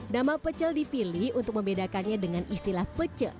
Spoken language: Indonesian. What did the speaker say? nama pecel dipilih untuk membedakannya dengan istilah pecel